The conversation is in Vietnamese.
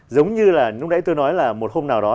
giống như là lúc nãy tôi nói là một hôm nào đó